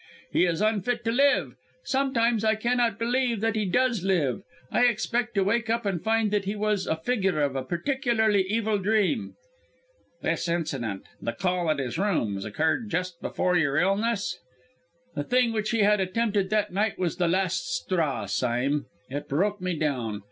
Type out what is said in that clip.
He is unfit to live. Sometimes I cannot believe that he does live; I expect to wake up and find that he was a figure of a particularly evil dream." "This incident the call at his rooms occurred just before your illness?" "The thing which he had attempted that night was the last straw, Sime; it broke me down.